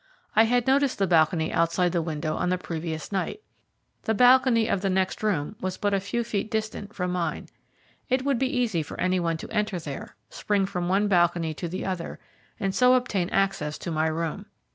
I had noticed the balcony outside the window on the previous night. The balcony of the next room was but a few feet distant from mine. It would be easy for any one to enter there, spring from one balcony to the other, and so obtain access to my room.